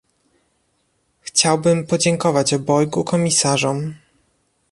Chciałbym podziękować obojgu komisarzom